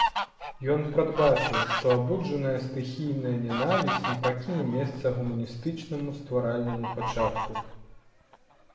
Ён прадбачыў, што абуджаная стыхійная нянавісць не пакіне месца гуманістычнаму, стваральнаму пачатку.